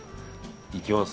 いきます。